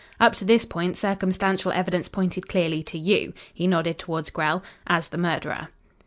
Up to this point, circumstantial evidence pointed clearly to you" he nodded towards Grell "as the murderer.